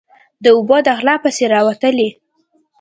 _د اوبو په غلا پسې راوتلی.